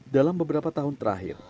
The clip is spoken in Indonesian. dalam beberapa tahun terakhir